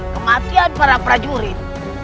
kematian para perajurit